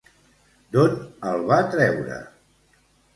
D'on el va treure?